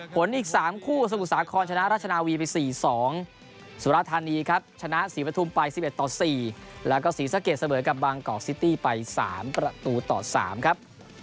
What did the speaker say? ผลอีก๓คู่สมุทรสาครชนะราชนาวีไป๔๒สุรธานีครับชนะศรีปฐุมไป๑๑ต่อ๔แล้วก็ศรีสะเกดเสมอกับบางกอกซิตี้ไป๓ประตูต่อ๓ครับ